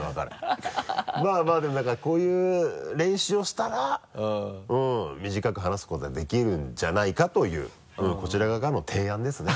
ハハハ まぁまぁでもなんかこういう練習をしたら短く話すことができるんじゃないかというこちら側からの提案ですね。